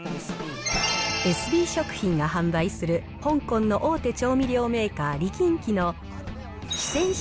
エスビー食品が販売する香港の大手調味料メーカー、李錦記の四川式